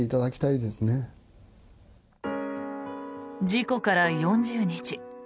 事故から４０日。